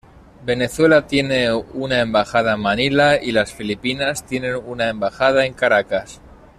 Venezuela tiene una embajada en Manila y las Filipinas tienen una embajada en Caracas.